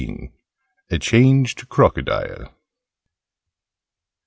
A CHANGED CROCODILE.